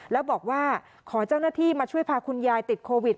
แล้วบอกว่าขอเจ้าหน้าที่มาช่วยพาคุณยายติดโควิด